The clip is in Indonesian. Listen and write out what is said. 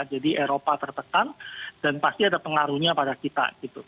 jadi eropa tertekan dan pasti ada pengaruhnya pada kita gitu